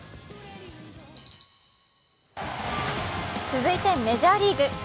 続いてメジャーリーグ。